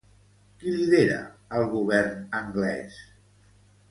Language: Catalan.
Qui lidera el govern anglès?